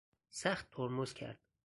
سخت ترمز کرد.